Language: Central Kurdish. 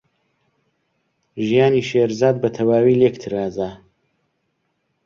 ژیانی شێرزاد بەتەواوی لێک ترازا.